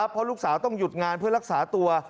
เพราะลูกสาวต้องหยุดงานเพื่อรักษาตัว